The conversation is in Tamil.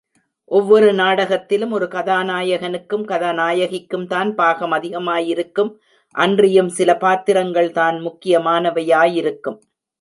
ஒவ்வொரு நாடகத்திலும் ஒரு கதாநாயகனுக்கும் கதாநாயகிக்கும்தான் பாகம் அதிகமாயிருக்கும் அன்றியும் சில பாத்திரங்கள்தான் முக்கியமான வையாயிருக்கும்.